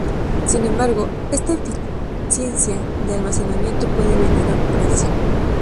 Sin embargo, esta eficiencia de almacenamiento puede venir a un precio.